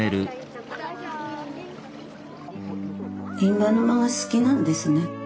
印旛沼が好きなんですね。